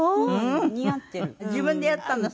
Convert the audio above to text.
自分でやったの？